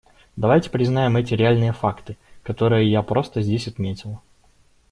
Давайте признаем эти реальные факты, которые я просто здесь отметил.